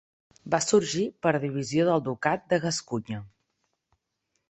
Va sorgir per divisió del Ducat de Gascunya.